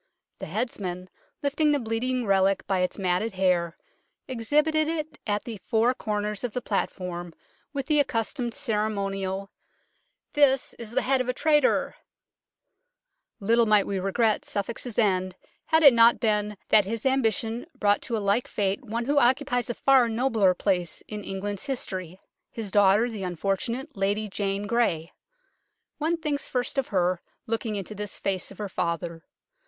The heads man, lifting the bleeding relic by its matted hair, exhibited it at the four corners of the platform with the accustomed ceremonial " This is the head of a traitor !" Little might we regret Suffolk's end had it not been that his ambition brought to a like fate one who occupies a far nobler place in England's history, his daughter, the unfortunate Lady Jane Grey. One thinks first of her, looking into this face of her father.